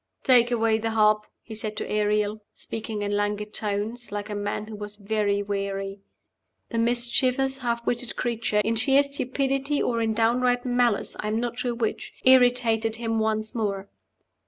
"Take away the harp," he said to Ariel, speaking in languid tones, like a man who was very weary. The mischievous, half witted creature in sheer stupidity or in downright malice, I am not sure which irritated him once more.